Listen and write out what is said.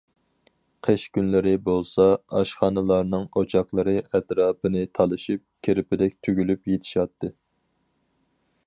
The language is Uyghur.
قىش كۈنلىرى بولسا، ئاشخانىلارنىڭ ئوچاقلىرى ئەتراپىنى تالىشىپ كىرپىدەك تۈگۈلۈپ يېتىشاتتى.